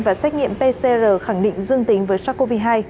và xét nghiệm pcr khẳng định dương tính với sars cov hai